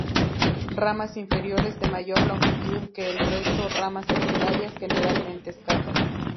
Ramas inferiores de mayor longitud que el resto; ramas secundarias generalmente escasas.